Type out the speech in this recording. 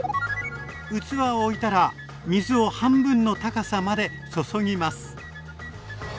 器を置いたら水を半分の高さまで注ぎます。